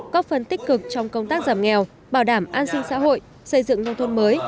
có phần tích cực trong công tác giảm nghèo bảo đảm an sinh xã hội xây dựng nông thôn mới